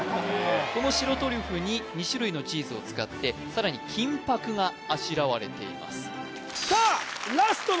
この白トリュフに２種類のチーズを使ってさらに金箔があしらわれています